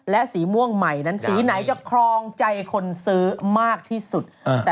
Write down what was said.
และสีม่วงใหม่นั้นสีไหนจะครองใจคนซื้อมากที่สุด